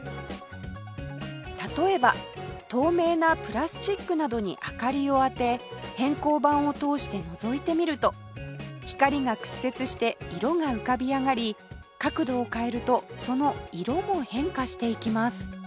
例えば透明なプラスチックなどに明かりを当て偏光板を通してのぞいてみると光が屈折して色が浮かび上がり角度を変えるとその色も変化していきます